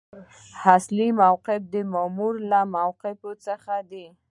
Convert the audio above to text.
اصلي موقف د مامور له موقفونو څخه دی.